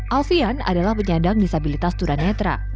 alfian adalah penyandang disabilitas tura netra